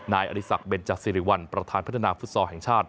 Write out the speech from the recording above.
นายอริสักเบนจักษิริวัลประธานพัฒนาฟุตซอลแห่งชาติ